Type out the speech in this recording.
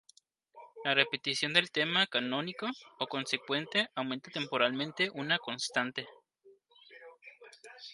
La repetición del tema canónico o consecuente aumenta temporalmente una constante.